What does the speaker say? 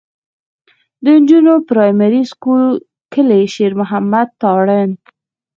د نجونو پرائمري سکول کلي شېر محمد تارڼ.